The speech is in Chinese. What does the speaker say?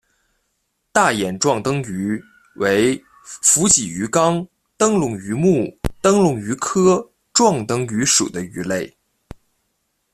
大眼壮灯鱼为辐鳍鱼纲灯笼鱼目灯笼鱼科壮灯鱼属的鱼类。